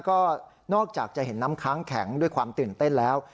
ก็นอกจากจะเห็นน้ำค้างแข็งด้วยความตื่นเต้นแล้ว